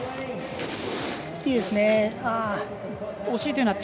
惜しい。